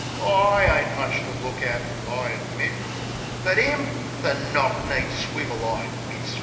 Oh, I ain't much to look at, I admit. But 'im! The knock kneed, swivel eyed misfit! .